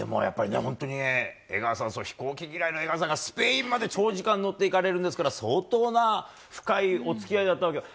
飛行機嫌いの江川さんがスペインまで長時間乗って行かれるんですから相当な深いお付き合いだったわけで。